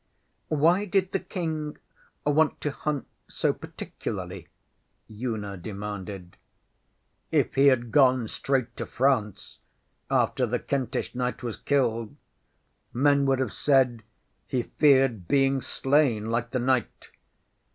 ŌĆÖ ŌĆśWhy did the King want to hunt so particularly? ŌĆÖ Una demanded. ŌĆśIf he had gone straight to France after the Kentish knight was killed, men would have said he feared being slain like the knight.